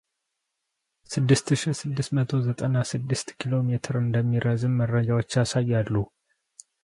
ስድስት ሺ ስድስት መቶ ዘጠና ስድስት ኪሎ ሜትር እንደሚረዝም መረጃዎች ያሳያሉ።